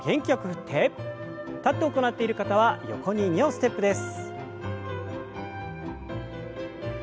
立って行っている方は横に２歩ステップです。